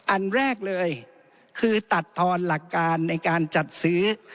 อันแรกเลยคือตัดทอนหลักการในการจัดซื้อ